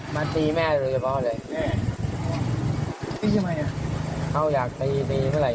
มาครับ